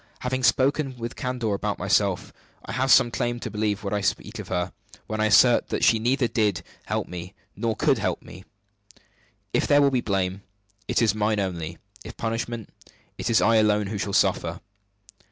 "Having spoken with candor about myself, I have some claim to be believed when I speak of her; when I assert that she neither did help me nor could help me. If there be blame, it is mine only; if punishment, it is I alone who should suffer."